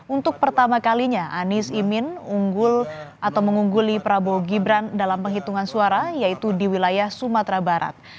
untuk pertama kalinya anies imin unggul atau mengungguli prabowo gibran dalam penghitungan suara yaitu di wilayah sumatera barat